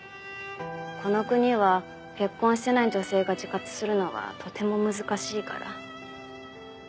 この国は結婚してない女性が自活するのはとても難しいから。